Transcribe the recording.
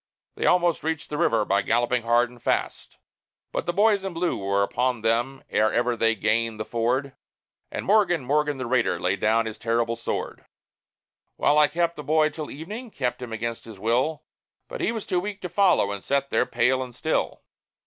They almost reached the river by galloping hard and fast; But the boys in blue were upon them ere ever they gained the ford, And Morgan, Morgan the raider, laid down his terrible sword. Well, I kept the boy till evening kept him against his will But he was too weak to follow, and sat there pale and still.